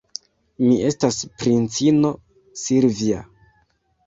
Mi estas princino Silvja.